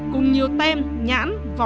cùng nhiều chai rượu nhãn mắc nước ngoài